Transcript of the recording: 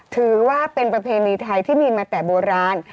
ถือว่าเป็นประเพณีไทยที่มีมาแต่โบราณ